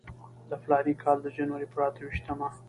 د فلاني کال د جنورۍ پر اته ویشتمه.